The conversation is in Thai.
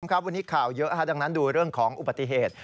ครับวันนี้ข่าวเยอะดังนั้นดูเรื่องของอุบัติเหตุ